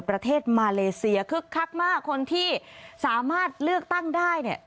ประเทศมาเลเซียคึกคักมากคนที่สามารถเลือกตั้งได้เนี่ย